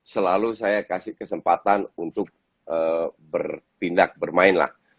selalu saya kasih kesempatan untuk bertindak bermain lah